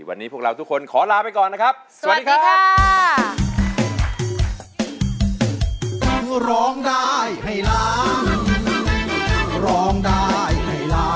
วันนี้พวกเราทุกคนขอลาไปก่อนนะครับสวัสดีครับ